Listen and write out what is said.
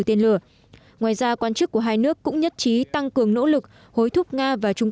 tiên lửa ngoài ra quan chức của hai nước cũng nhất trí tăng cường nỗ lực hối thúc nga và trung